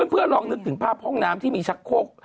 เพื่อลองนึกถึงภาพห้องน้ำที่มีชักโคก